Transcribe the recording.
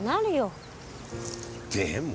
でも。